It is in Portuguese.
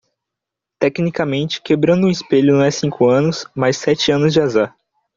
Tecnicamente? quebrando um espelho não é cinco anos? mas sete anos de azar.